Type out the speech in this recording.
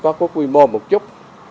nó có quy mô một chút